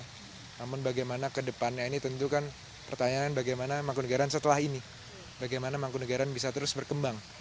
namun bagaimana ke depannya ini tentu kan pertanyaan bagaimana mangkunegara setelah ini bagaimana mangkunegara bisa terus berkembang